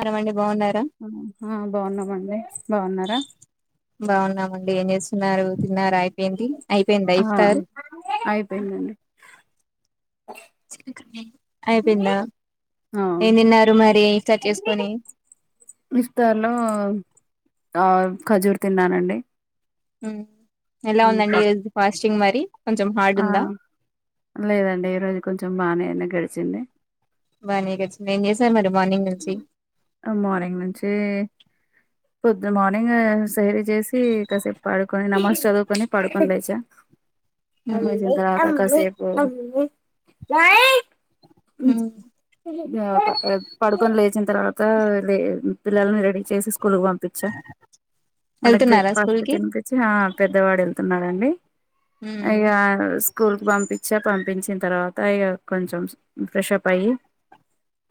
అరమండి ఆ బావున్నామండి బావున్నారా బావున్నామండి ఏం చేస్తున్నారు తిన్నారా అయిపోయింది అయిపోయింద ఆ ఇస్తార్ అయిపోయిందండి అయిపోయిందా ఆ ఏం తిన్నారు మరి ఇస్టా చేసుకొని త్తర్లో ఆ ఖజూరు తిన్నానండి ఎలా ఉమ్, ఉందండి పప్- ఈరోజు ఫాస్టింగ్ మరి కొంచెం హార్డ్ ఆ ఉందా లేదండి ఈరోజు కొంచెం బాగానే అనా గడిచింది బానే గడిచి ఏం చేశారు మేడం మార్నింగ్ నుంచి పొద్దు మార్నింగ్ సైరీ చేసి కాసేపు పడుకొని నమాజ్ చదువుకొని పడుకొని లేచ ఉమ్, కాసేపు ఉమ్. పడుకొని లేచిన తర్వాత లే నిద్రల్నే రెడీ చేసి స్కూల్కి పంపించా వాళ్ళకి వెళ్తున్నారా స్కూల్ బ్రేక్ఫాస్ట్ కి తినిపించి ఆ పెద్దవాడు వెళ్తున్నాడం డి ఉమ్, ఇగా స్కూల్ కి పంపించా పంపించిన తర్వాత ఇగా కొంచెం ఫ్రెషప్ అయ్యి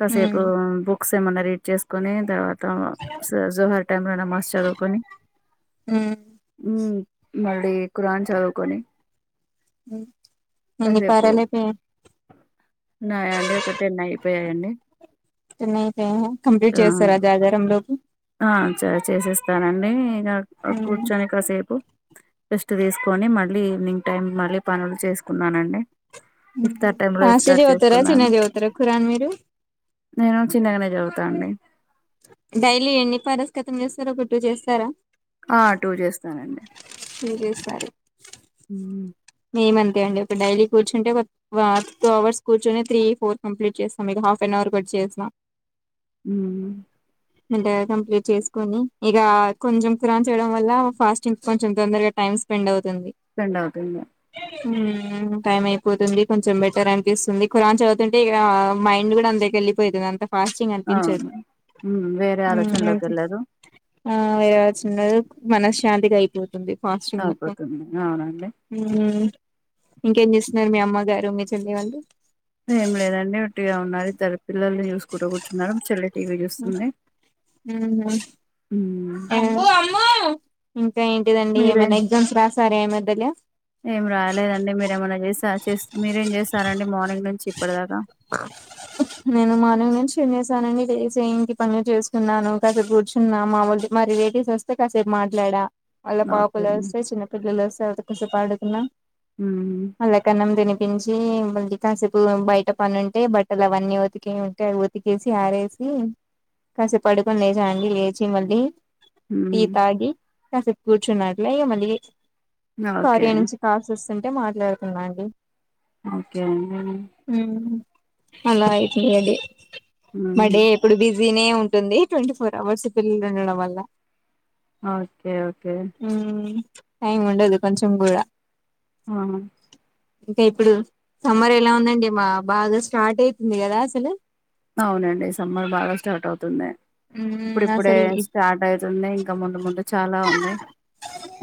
కాసేపు ఉమ్ బుక్స్ ఏమన్నా రీడ్ చేసుకోని తర్వాత జహార్ టై లో నమాజ్ చదువుకుని ఉమ్, మళ్ళీ ఖురాన్ చదువుకొని ఎన్ని పారాల అయిపోయినాయి నాయా అండి ఒక టెన్ అయిపోయాయండి టెన్ అయిపోయాయా కంప్లీట్ చేశారా జాగారంలోపు ఆ చ చేసిస్తానండి ఇగ ఉమ్, కూర్చొని కాసేపు రెస్ట్ తీసుకొని మళ్ళీ ఈవినింగ్ టైమ్ మళ్ళీ పనులు చేసుకున్నానండి ఉమ్. ఇఫ్తార్ టైమ్ లో ఫాస్ట్ ఇఫ్తార్ చదువుతారా చేసుకున్నాను చిన్నగా చదువుతారా ఖురాన్ మీరు నేను చిన్నగానే చదువుతాండి డైలీ ఎన్ని పరస్ కతం చేస్తారూ ఒక టూ చేస్తారా ఆ టూ చేస్తానండి త్రీ చేస్తారు మేమతే అండి ఒక డైలీ కూర్చుంటే ఒక టూ అవర్స్ కూర్చుని త్రీ ఫోర్త్ కంప్లీట్ చేస్తాం హాఫ్ అన్ అవర్ ఒకటి చేసిన ఉమ్ అంటే కంప్లీట్ చేసుకొని ఇగా కొంచెం ఖురాన్ చేయడం వల్ల ఫాస్టింగ్ కొంచెం తొందరగా టైం స్పెండ్ అవుతుంది స్పెండ్ అవుతుంది టైం అయిపోతుంది కొంచెం బెటర్ అనిపిస్తుంది ఖురాన్ చదువుతుంటే ఇగా మైండ్ కూడా ఏటేటో ళ్లిపోయింది అంత ఫాస్టింగ్ అనిపించదు అవును మ్మ్ వేరే ఆలోచనలోకి వెళ్ళారు హాయిగా చిన్నగా మనశ్శాంతిగా అయిపోతుంది ఫాస్టింగ్ మొత్తం అయిపోతుంది అవునండి ఇంకేం చేస్తున్నారు మీ అమ్మ గారు మీ చెల్లివాళ్ళు ఏం లేదండి ఉట్టిగా ఉన్నారు ఇద్దర పిల్లల్ని చూసుకుంటూ కూర్చున్నారు మా చెల్లె టీవీ చూస్తుంది హ్మ్. అబ్బు అమ్ము ఇంకా ఏంటిదండి మీరే ఏమైనా ఎగ్జామ్స్ రాస్తారా ఏ మధ్యల ఏం రాయలేదండి మీరేమన్నా చేసా చే మీరేం చేస్తారండి మార్నింగ్ నుంచి ఇప్పటిదాకా నేను మార్నింగ్ నుంచి లేసి ఇంటి పనులు చేసుకున్నాను కాసిపూ కూర్చున్నా మా వాళ్ళు మా రిలేటివ్స్ వస్తే కాసేపు మాట్లాడా వాళ్ళ ఓకే పాపలు అండి వస్తే చిన్న పిల్లలు వస్తే ఆడుకున్నా మ్మ్ వాళ్లకు అన్నం తిని పించి మళ్లీ కాసేపు బయట పని ఉంటే బట్టలు అవన్నీ ఉతికివీ ఉంటే ఉతికేసి ఆరేసి కాసేపు పడుకొని లేచ అండి లేచి మళ్ళీ టీ మ్మ్ తాగి కాసేపు కూర్చున్నాను మళ్లీ లేచి ఓకే కార్య నుంచి కాల్స్ వస్తుంటే మాట్లాడుతున్నాండి ఓకే అండి మ్మ్ అలా అయిపోయింది డే మా మ్మ్ డే ఎప్పుడు బిజీ నే ఉంటుంది ట్వంటీ ఫోర్ అవర్స్ పిల్లు ఉండడం వల్ల ఓకే ఓకే టైం ఉండదు కొంచం కూడా ఆ ఇంకా ఇప్పుడు సమ్మర్ ఎలా ఉందండి. మా బాగా స్టార్ట్ అయితుంది కదా అసలు. అవునండి సమ్మర్ బాగా స్టార్ట్ అవుతుంది. ఇప్పుడిప్పుడే అసలు స్టా ర్ట్ అయితున్నయి ఇంకా ముందు ముందు చాలా ఉన్నయి.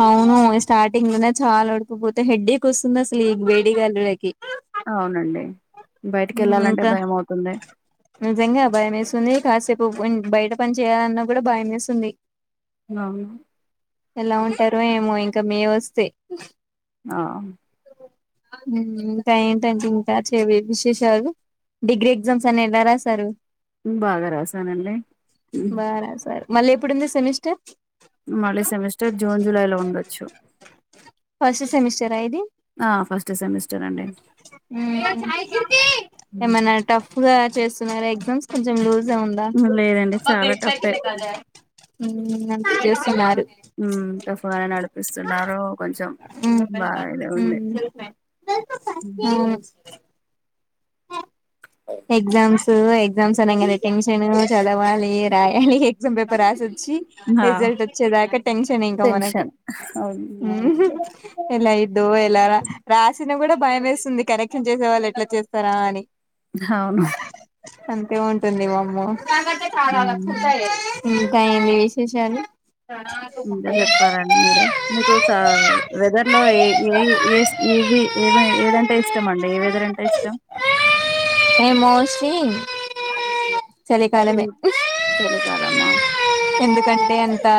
అవును స్టార్టింగ్ లోనే చాలా ఉడుకపోతా హెడ్డేక్ వస్తుంది అసలు ఈ వేడిగాలులకి. అవునండి బయటికి ఎళ్ళాలంటే ఇంకా భయం అవుతుంది. నిజంగా భయం ఎస్తుంది, కాసేపు ఇం బయట పని చేయాలన్నా కూడా భయం ఎస్తుంది. అవును ఎలా ఉంటారో ఏమో ఇంకా మే వస్తే. ఆ హ్మ్ ఇంకా ఎంటాంటీ ఇంకా చెవి విశేషాలు. డిగ్రీ ఎగ్జామ్స్ అన్ని ఎలా రాశారు. బాగా రాసానండి. హ్మ్ బాగా రాశారు మళ్ళీ ఎప్పుడుంది సెమిస్టర్. మళ్ళీ సెమిస్టర్ జూన్ జూలైలో ఉండొచ్చు. సెమిస్టర్ ఆ ఇది. ఆ ఫస్ట్ సెమిస్ హ్మ్ హు ఏమైనా టఫ్గా చేస్తున్నారా ఎగ్జామ్స్ కొంచెం లూజ్ గా ఉందా హ్మ్. లేదండి చాలా టఫే హ్మ్ అంతే చేస్తున్నారు. ఉ టఫ్గానే నడిపిస్తున్నారు. కొంచెం బాగానే ఉంది. హ్మ్. ఆ ఎగ్జామ్స్ ఎగ్జామ్స్ అనంగనే టెన్షన్ చదవా లే, రాయాలే. ఎగ్జామ్ పేపర్ రాసొచ్చి ఆ రిజల్ట్ వచ్చేదాకా టెన్షన్ ఇంకా మనకు. టెన్షన్ అవును అవునండి. ఎలా అయిద్దో ఎలారా రాసిన కూడా భయం ఎస్తుంది కరెక్షన్ చేసే వాళ్ళు ఎట్లా చేస్తారా అని. హఅవును. అంతే ఉంటుంది వామ్మె. హ్మ్ ఇంకా ఏమి విశేషాలు. మీరే చెప్పాలండి మీరే. మీకు చ వెదర్ లో ఏ ఏ ఏ ఇవి ఏ ఏదంటే ఇష్టంమండి ఏ వెదరంటే ఇష్టం. హే మోస్ట్లీ చలికాలమే విన్ చలికాలమా ఎందుకంటే అంతా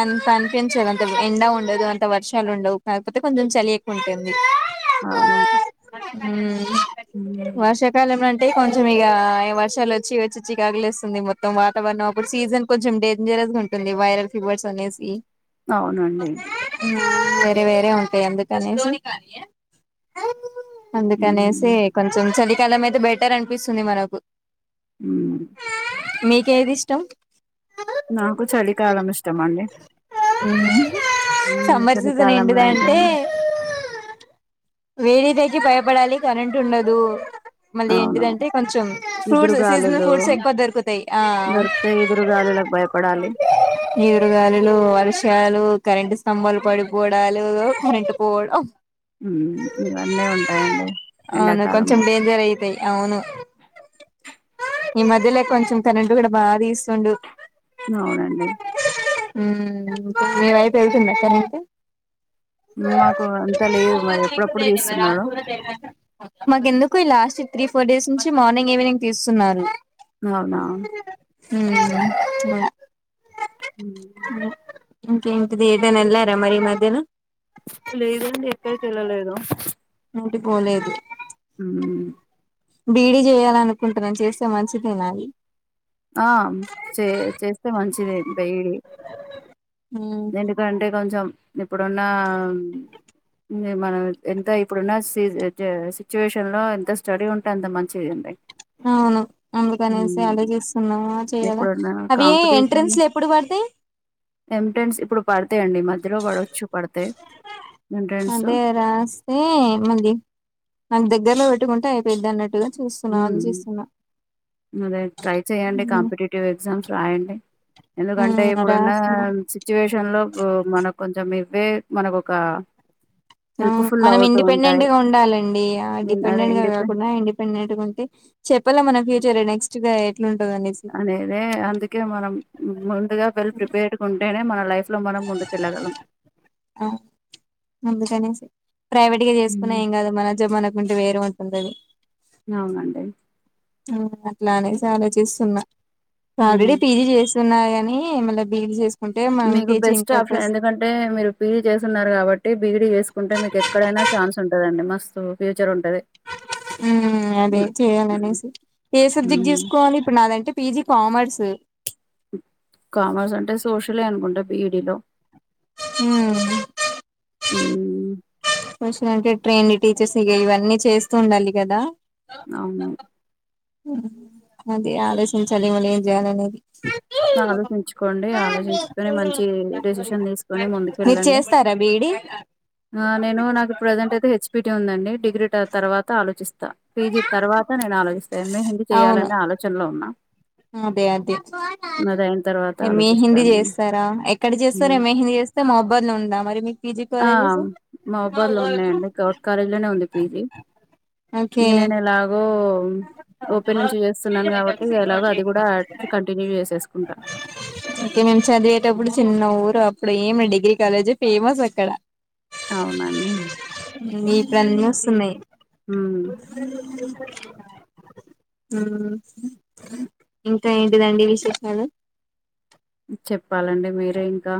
అంత అనిపించదు. అంత ఎండ ఉండదు, అంత వర్షాలు ఉండవు. కాకపోతే కొంచెం చలి ఎక్కువ ఉంటుంది. అవును. హ్మ్ హ్మ్. వర్షాకాలం అం అంటే కొంచెం ఇగా వర్షాలు వచ్చి వచ్చి చీకాకులేస్తుంది. మొత్తం వాతావరణం అప్పుడు సీజన్ కొంచం డేంజర్ గా ఉంటుంది. వైరల్ ఫీవర్స్ అనేసి అవునండి. వేరే వేరేయి ఉంటయి అందుకనేసి ఉమ్ అందుకనేసి కొంచెం చలికాలం అయితే బెటర్ అనిపిస్తుంది మనకు. హ్ మీకేది ఇష్టం? నాకు చలికాలం ఇష్టం అండి. హ్మ్ సమ్మర్ సీజన్ చలికాలంలో అయితే వేడితెకి భయపడాలి కరెంటు ఉండదు. మళ్ళీ అవును ఏంటిదంటే కొంచెం ఫ్రూట్స్ సీజనల్ ఎదురుగాలులు ఫ్రూట్స్ ఎక్కువ దొరుకుతయి. ఆ దొరికితే ఎదురుగాలులకు భయపడాలి ఈదురుగాలులు, వర్షాలు కరెంట్ స్తంభాలు పడిపోవడాలు, కరెంట్ పోవడం హ్మ్ ఇవన్నీ ఉంటాయండి. అవునా కొంచెం ఎండాకాలంలో డేంజర్ అయితయి. అవును ఈ మధ్యలో కొంచెం కరెంటు కూడా బాగా తీస్తుండు అవునండి ఉమ్ మీ వైపూ వెళ్తుందా కరెంట్ మాకు అంత లేదు తకా మరి తీకుద ఎప్పుడప్పుడు అతే మ రా తీస్తున్నాడు ప తె మాకు ఎందుకు ఈ లాస్ట్ త్రీ ఫోర్ డేస్ నుంచి మార్నింగ్ ఈవినింగ్ తీస్తున్నారు అవునా ఉమ్ ఉమ్ ఇంకా ఇంటిది ఎట్టన ఎలార మరి ఈ మధ్యన లేదండి ఎక్కడికి వెళ్ళలేదు ఎటు పోలేదు ఉమ్ బీఈడీ చేయాల అనుకుంటున్నాను చేస్తే మంచిదేనా అండి ఆ చే చేస్తే మంచిదే బ్యఈడి హ్మ్ ఎందుకంటే కొంచెం ఇప్పుడున్న మనం ఎంత ఇప్పుడున్న సిచ్యువేషన్ లో ఎంత స్టడీ ఉంటే అంత మంచిదిండి అవును అందుకనేసి అలా చేస్తున్నాం చేయాలా ఇప్పుడున్న అవి ఎంట్రెన్స్ లో ఎప్పుడు పటి ఇ ఎంటెన్స్ ఇప్పుడు పడతాయండి ఇ మధ్య ఎంట్రెన్స్ అదే రాస్తే మంది దగ్గర పెట్టుకుంటే అయిపోయిద్దిన్నటుగా చూ ఉమ్ అదే ట్రై చేయండి కాంపిటేటిటీవ్ ఎక్సామ్స్ రాయండి ఎందుకంటే ఉమ్ ఇప్పుడున్న రాస్తున్నా సిచ్యువేషన్ లో మనకు కొంచెం మీ వే మనకొక అవును మనం ఇండిపెండెంట్ గా ఉండాలండి నేను అదే డిపెండెంట్ గా ఇండిపెండ్ కాకుండా ఇండిపెండెంట్ ఉంటే చెప్పాలేం మన ఫ్యూచర్ నెక్స్ట్ గా ఎట్లుంటది అనేసి అనేదే అందుకే మనం ముందుగా వెల్ ప్రిపేర్డ్గా ఉంటేనే మన ల మనం ముందుకు వెళ్ళగలం ఆ అందుకనేసి ప్రైవేట్ గా చేసుకున్నా ఏం కాదు మన జాబ్ మనకుంటే వేరే ఉంటుంది అది అవునండి అవును అట్లానే చాలా చూస్తున్నా ఆల్రెడీ ఉమ్. పీజీ చేసి న్నాయి కాని మళ్ళీ బీఈడీ చేసు మీకు బెస్ట్ ఆప్షన్ ఎందుకంటే మీరు పీడీ చేస్తున్నారు కాబట్టి బీఈడీ చేసుకుంటే మీకు ఎక్కడైనా ఛాన్స్ ఉంటది అండి మస్త్ ఫ్యూచర్ ఉమ్ అదే చెయాలనేసి ఏ సబ్జెక్ట్ చేసుకోవాలి ఇప్పుడు నాదంటే పిజి కామర్స్ కామర్స్ అంటే సోషలే అనుకుంటా బిఈడీలో ఉమ్ ఉమ్ కొచ అంటే ట్రైన్డ్ టీచర్స్ ఇ ఇవన్నీ చేస్తూ ఉండాలి కదా అవును ఉమ్ అదే ఆలోచించాలే ఏం చేయాలి అనేది [unintelligible] ఆలోచించుకోండి ఆలోచించుకుని మంచి డెసిషన్ తీసుకుొని ముందుకు వెళ్ళండి ఆ బీ ఈ డీ ఆ నేను నాకు ప్రజెంట్ అయితే హెచ్పిటి ఉందండి డిగ్రీ తర్వాత ఆలోచిస్తాను పిజీ తర్వాత నేను ఆలోచిస్తే ఎంఏ హిందీ అవును చెయ్యాలనే ఆలోచనలో ఉన్నా అదే అదే అది అయిన తర్వాత ఎంఏ హిందీ ఆలోచిస్తాను చేస్తారా ఎక్కడ చేస్తార ఉమ్. ఎంఏ హిందీ చేస్తే మబాద్ లో ఉ ఆ మోబాద్ లో ఉన్నాయండి గౌట్ కాలేజ్ లోనే ఉంది పీజీ ఓకే ఇగా నేను ఎలాగో ఓపెన్ నుంచి చేస్తున్నాను కాబట్టి ఎలాగో అది కూడా డ్ మేము చదివేటప్పుడు చిన్న ఊరు అప్పుడు ఏమి డిగ్రీ కాలేజ్ ఫేమస్ అక్కడ అవునండి ఇప్పుడు అన్ని వస్తున్నాయి. ఉమ్ ఇంకా ఏంటిదండి విశేషాలు, చెప్పాలండి మీరే ఇంకా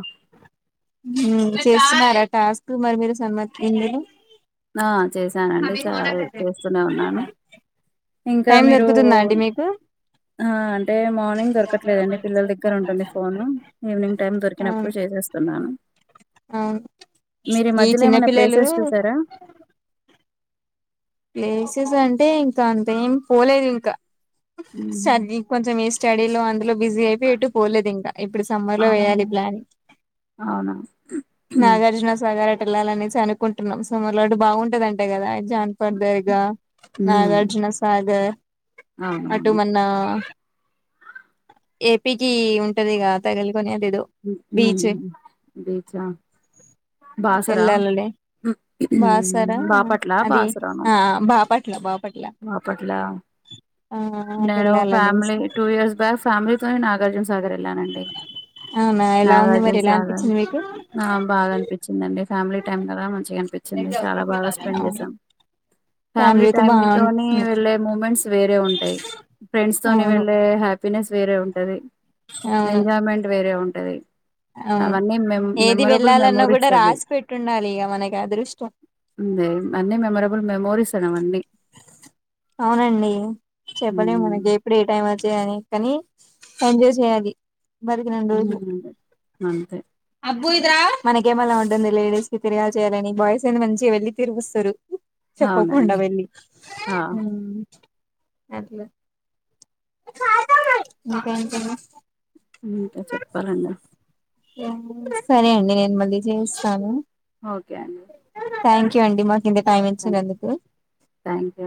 చేస్తున్నారా టాస్క్ మరి మీరు సన్మతి ఇందులో ఆ చేశానండి చ చేస్తూనే ఉన్నాను, ఇంకా టైం మీరు దొరుకుతుందా అండి మీకు ఆ అంటే మార్నింగ్ దొరకట్లేదండి పిల్లల దగ్గర ఉంటుంది. ఫోను ఈవినింగ్ టైమ్ దొరికినప్పుడు చేస్త, చేస్తున్నాను అవు ఈ మధ్యలో చిన్న ఏమైనా పిల్లలు ప్లేసెస్ చూసారా ప్లేసెస్ అంటే ఇంకా అంత ఏం పోలేదు ఇంకా హుహు. చదివి కొంచెం ఈ స్టడీ లో అందులో బిజీ అయిపోయి పోలేదు ఇంకా ఇప్పుడు సమ్మర్ లో వేయాలి ప్లాన్ అవు నాగార్జున సాగర్ వెళ్లాల అనేసి అనుకుంటున్నాం సో మలాటు బాగుంటది అంట కదా పర్ధగా హ్మ్. నాగార్జున సాగర్ అవునవును అటుమన్నా, ఏపీకి ఉంటదిగా తగిలి బేచం అటు బాసరా, వెళ్ళాలిలే బాసర బాపట్లా, అది బాసరా ఆ బాపట్ల బా బాపట్లా అటు నేను వెళ్ళాలనేసి ఫ్యామిలీ టూ ఇయర్స్ బ్యాక్ ఫ్యామిలీతోనే నాగార్జున సాగర్ వెళ్ళానండి, అవునా ఎలా ఉంది మరి నాగార్జున ఎలా సాగర్ అనిపించింది మీకు బాగా అనిపించిందండి ఫ్యామిలీ టైమ్ కదా మంచి, కనిపించింది చాలా బాగా స్పెండ్ అవును చేసాం ఫ్యామిలీ ఫ్యామిలీతో టైమ్ బన్ తోని వెళ్ళే మూమెంట్స్ వేరే ఉంటాయి, ఫ్రెండ్స్ తోని అవును వెళ్ళే హ్యాపీనెస్ వేరే ఉంటది. అవును ఎంజాయ్మెంట్ వేరే ఉంటది. అవును అవన్నీ మెమ్ ఏది మెమొరబుల్ వెళ్ళాలన్న కూడా మెమోరీస్ అవి. రాసి పెట్టుండాలి, ఇగా మనకి అదృష్టం అన్ని మెమరబుల్ మెమోరీస్ అనావ అన్నీ అవునండి చెప్పలేము మనకి హ్మ్ ఎప్పుడు ఏ టైం వచ్చే అని కానీ ఎంజాయ్ చేయాలి బతికినాన్ని రోజులు హ్మ్. అంతే అబ్బు ఇదరా మనకేమలా ఉంటుంది లేడీస్ కి తిరగాలి చేయాలని, బాయ్స్అయితే మంచిగా వెళ్ళలి తిరుగుస్తారు. చెప్పకుండా అవునండి. వెళ్ళి ఆ అట్ల ఇంకా చెప్పాలండి హో సరే అండి నేను మళ్ళీ చేయిస్తాను. ఓకే అండి థ్యాంక్ యూ అండి మాకు ఇంత టైం ఇచ్చినందుకు, థ్యాంక్ యూ